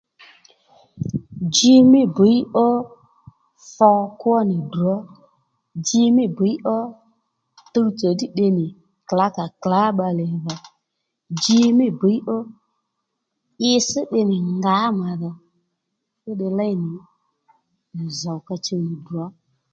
Ji mí bbǐy ó tho kwó nì ddrǒ ji mí bbǐy ó tuw tsò ddí tde nì klǎkàklǎ bbalè dho ji mí bbǐy ó itsś tde nì ngǎ màdhò fúddiy léy nì zòw ka chuw nì ddrǒ